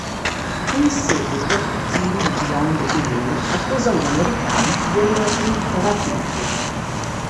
In seguito Kim Jong-il accusò gli americani di averli rapiti.